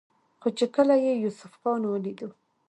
خو چې کله يې يوسف خان وليدو